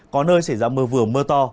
có nơi xảy ra mưa vừa mưa to